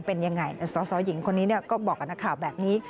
เป็นอย่างไรสศหญิงคนนี้ก็บอกกับหน้าข่าวแบบนี้